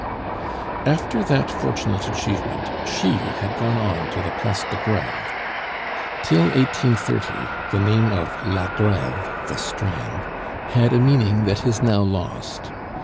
After that fortunate achievement she had gone on to the Place de Greve. Till 1830 the name of La Greve (the Strand) had a meaning that is now lost.